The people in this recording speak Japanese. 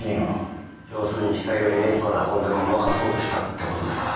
要するに死体をリネン室まで運んでごまかそうとしたって事ですか。